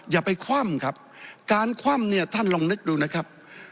อย่าไปคว่ำครับการคว่ำเนี่ยท่านลองนึกดูนะครับ